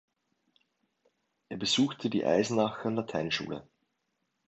Er besuchte die Eisenacher Lateinschule.